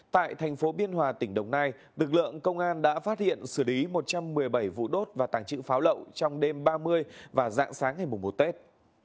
tại thành phố biên hòa tỉnh đồng nai lực lượng công an đã phát hiện xử lý một trăm một mươi bảy vụ đốt và tàng trữ pháo lậu trong đêm ba mươi và dạng sáng ngày mùa một tết